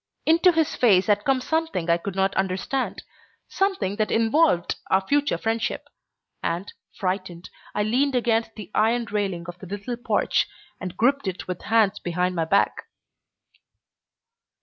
Into his face had come something I could not understand, something that involved our future friendship, and, frightened, I leaned against the iron railing of the little porch and gripped it with hands behind my back.